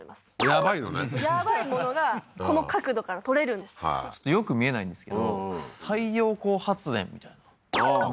やばいのねやばいものがこの角度から撮れるんですちょっとよく見えないんですけど太陽光発電みたいなああーこれ？